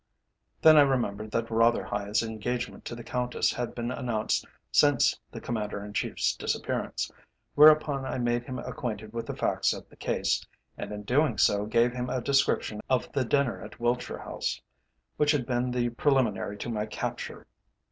Then I remembered that Rotherhithe's engagement to the Countess had been announced since the Commander in Chief's disappearance, whereupon I made him acquainted with the facts of the case, and in doing so gave him a description of the dinner at Wiltshire House, which had been the preliminary to my capture.